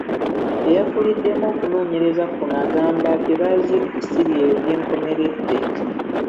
Eyakuliddemu okunoonyereza kuno agamba bye bazudde ssi bye byenkomeredde.